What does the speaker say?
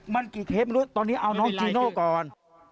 มันกี่เทปตอนนี้เอาน้องจีโน่ก่อน